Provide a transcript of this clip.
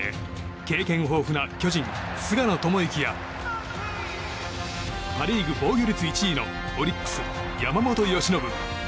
経験豊富な巨人・菅野智之やパ・リーグ防御率１位のオリックス・山本由伸。